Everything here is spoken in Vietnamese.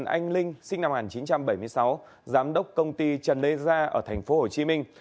anh linh sinh năm một nghìn chín trăm bảy mươi sáu giám đốc công ty trần lê gia ở thành phố hồ chí minh